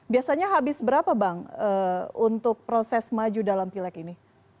biasanya habis berapa bang untuk proses maju dalam pileg ini